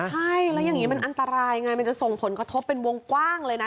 ใช่แล้วอย่างนี้มันอันตรายไงมันจะส่งผลกระทบเป็นวงกว้างเลยนะ